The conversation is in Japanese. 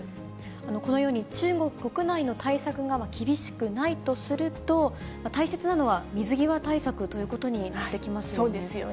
このように中国国内の対策が厳しくないとすると、大切なのは、水際対策ということになってきますよね。